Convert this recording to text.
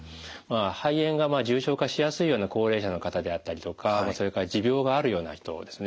肺炎が重症化しやすいような高齢者の方であったりとかそれから持病があるような人ですね